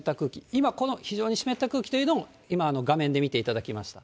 今この非常に湿った空気というのも、今、画面で見ていただきました。